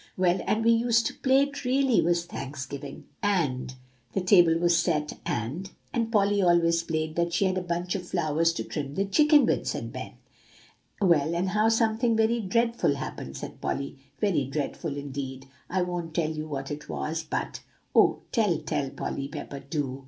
Well, and we used to play it really was Thanksgiving, and the table was set, and" "And Polly always played that she had a bunch of flowers to trim the chicken with," said Ben. "Well, and now something very dreadful happened," said Polly; "very dreadful indeed. I won't tell you what it was, but" "Oh, tell, tell, Polly Pepper, do!"